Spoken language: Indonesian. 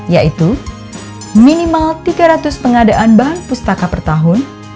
yaitu minimal tiga ratus pengadaan bahan pustaka per tahun